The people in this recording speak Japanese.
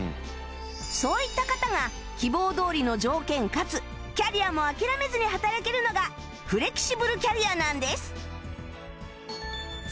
そういった方が希望どおりの条件かつキャリアも諦めずに働けるのがフレキシブルキャリアなんです